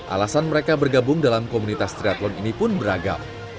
alasan mereka bergabung dalam komunitas triathlon ini pun beragam